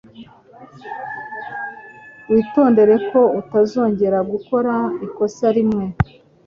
Witondere ko utazongera gukora ikosa rimwe.